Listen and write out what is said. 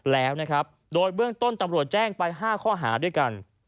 แล้วโดยเบื้องต้นตำรวจแจ้งไป๕ค่าด้วยกัน